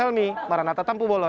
jadi makasih saja kita bergula gula